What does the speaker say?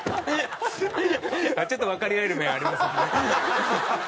ちょっとわかり合える面ありますよね。